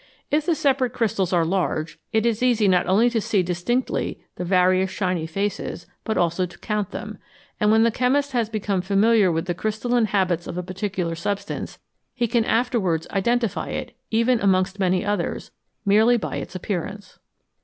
If the separate crystals are large, it is easy not only to see distinctly the various shiny faces, but also to count them, and when the chemist has become familiar with the crystalline habits of a particular substance, he can afterwards identify it, even amongst many others, merely by its appearance.